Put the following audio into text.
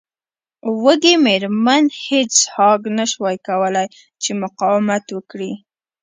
وږې میرمن هیج هاګ نشوای کولی چې مقاومت وکړي